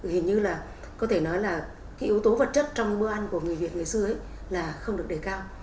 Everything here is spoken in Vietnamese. hình như là có thể nói là cái yếu tố vật chất trong bữa ăn của người việt ngày xưa là không được đề cao